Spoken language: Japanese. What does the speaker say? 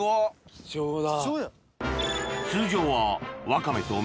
貴重だ。